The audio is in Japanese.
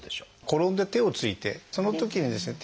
転んで手をついてそのときにですね